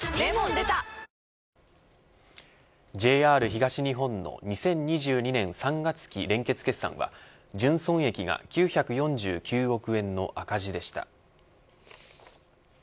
ＪＲ東日本の２０２２年３月期連結決算は純損益が９４９億円の赤字でした。